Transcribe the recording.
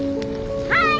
はい！